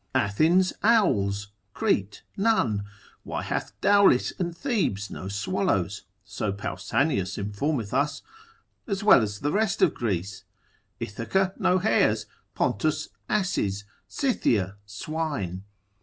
Athens owls, Crete none? Why hath Daulis and Thebes no swallows (so Pausanius informeth us) as well as the rest of Greece, Ithaca no hares, Pontus asses, Scythia swine?